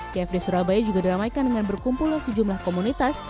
cfd surabaya juga diramaikan dengan berkumpulnya sejumlah komunitas